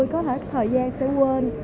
có thể thời gian sẽ quên